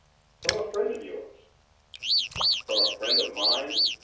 'From a friend of yours.' 'From a friend of mine?